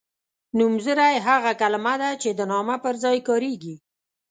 نومځری هغه کلمه ده چې د نامه پر ځای کاریږي.